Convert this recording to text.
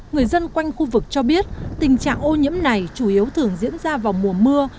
người dân quanh khu vực cho biết tình trạng ô nhiễm này chủ yếu thường diễn ra vào mùa mưa